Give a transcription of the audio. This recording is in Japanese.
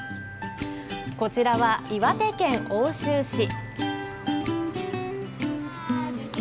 こちらは岩手県奥州市。